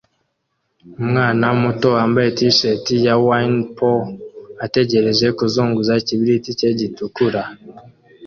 Umwana muto wambaye T-shirt ya Winnie Pooh ategereje kuzunguza ikibiriti cye gitukura